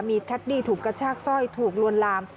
มีแคดดี้ถูกกระชากสร้อยถูกลวนลาม